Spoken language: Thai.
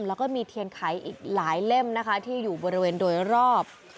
แล้วก็มีเทียนไขอีกหลายเล่มนะคะที่อยู่บริเวณโดยรอบ